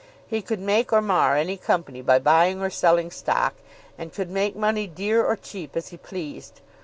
He could make or mar any company by buying or selling stock, and could make money dear or cheap as he pleased.